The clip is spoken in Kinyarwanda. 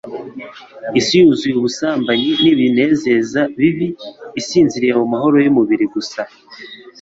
Isi yuzuye ubusambanyi n'ibinezeza bibi isinziriye mu mahoro y'umubiri gusa.